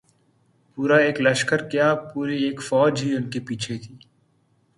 پورا ایک لشکر کیا‘ پوری ایک فوج ان کے پیچھے تھی۔